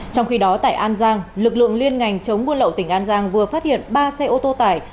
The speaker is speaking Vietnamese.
trong khi đó tại an giang lực lượng liên ngành chống buôn lậu tỉnh an giang vừa phát hiện ba xe ô tô tải